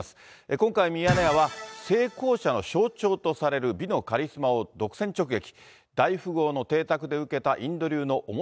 今回、ミヤネ屋は成功者の象徴とされる美のカリスマを独占直撃。